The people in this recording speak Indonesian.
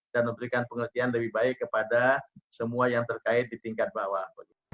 dan memberikan pengertian lebih baik kepada semua yang terkait di tingkat bawah